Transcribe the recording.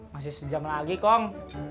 masih sejam lagi kong